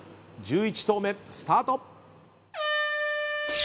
１１投目スタート。